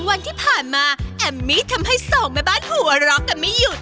๒วันที่ผ่านมาแอมมี่ทำให้๒แม่บ้านหัวร้องกันไม่อยู่